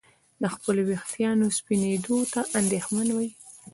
د خپلو ویښتانو سپینېدو ته اندېښمن وي.